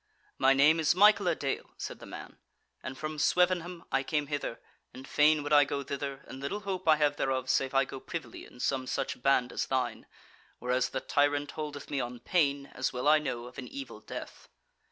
"My name is Michael a dale," said the man, "and from Swevenham I came hither, and fain would I go thither, and little hope I have thereof save I go privily in some such band as thine, whereas the tyrant holdeth me on pain, as well I know, of an evil death."